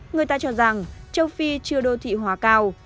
người ta cho rằng châu phi chưa đô thị hóa cao